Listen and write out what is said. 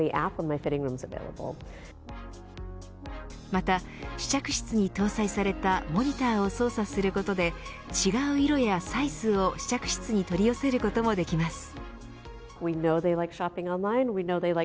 また試着室に搭載されたモニターを操作することで違う色やサイズを試着室に取り寄せることもできます。